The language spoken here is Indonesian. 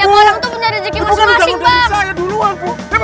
tiap orang tuh punya rezeki masing masing pak